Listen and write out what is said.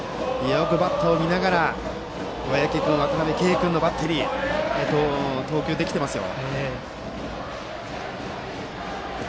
よくバットを見ながら小宅君と渡辺君のバッテリー投球できていますよ。